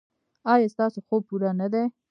ایا ستاسو خوب پوره نه دی؟